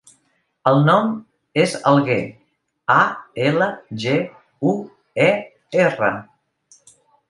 El nom és Alguer: a, ela, ge, u, e, erra.